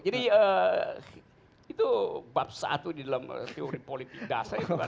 jadi itu bab satu di dalam teori politik dasar